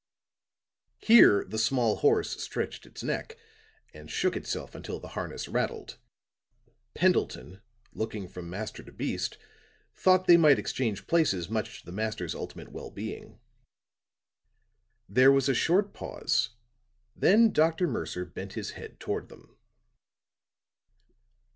Here the small horse stretched its neck and shook itself until the harness rattled. Pendleton looking from master to beast thought they might exchange places much to the master's ultimate well being. There was a short pause; then Dr. Mercer bent his head toward them.